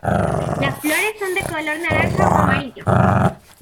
Las flores son de color naranja o amarillo.